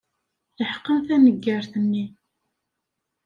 Leḥqen taneggart-nni.